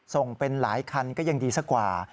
ส่งเป็นหลายคันก็ยังดีสักกว่า